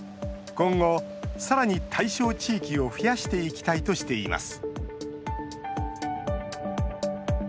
今後更に対象地域を増やしていきたいとしています。